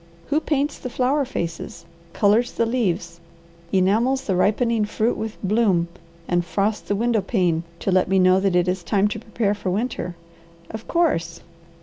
Who paints the flower faces, colours the leaves, enamels the ripening fruit with bloom, and frosts the window pane to let me know that it is time to prepare for winter? Of course!